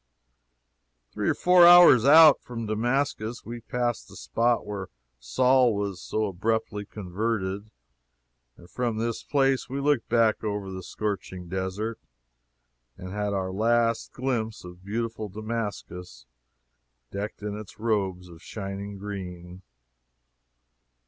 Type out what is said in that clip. Three or four hours out from Damascus we passed the spot where Saul was so abruptly converted, and from this place we looked back over the scorching desert, and had our last glimpse of beautiful Damascus, decked in its robes of shining green.